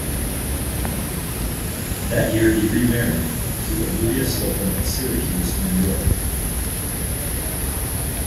That year he remarried, to Olivia Slocum of Syracuse, New York.